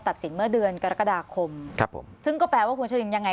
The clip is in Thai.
ตัดสินเมื่อเดือนกรกฎาคมครับผมซึ่งก็แปลว่าคุณชรินยังไง